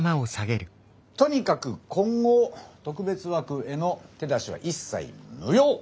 とにかく今後特別枠への手出しは一切無用！